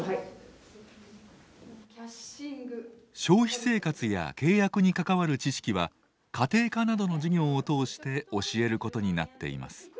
消費生活や契約に関わる知識は家庭科などの授業を通して教えることになっています。